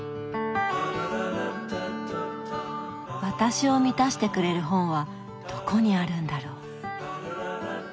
私を満たしてくれる本はどこにあるんだろう。